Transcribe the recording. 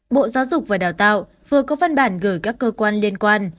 bộ giáo dục và đào tạo vừa có văn bản gửi các cơ quan liên quan